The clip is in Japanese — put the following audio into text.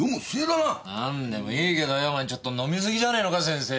なんでもいいけどよちょっと飲みすぎじゃねえのか先生！